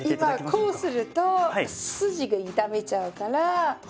こうすると筋が痛めちゃうから。